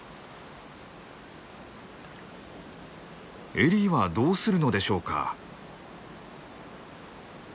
エリーはどうするのでしょうか？